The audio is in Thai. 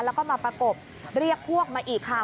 แล้วก็มาประกบเรียกพวกมาอีกค่ะ